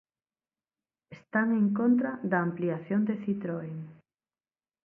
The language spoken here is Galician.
Están en contra da ampliación de Citroën.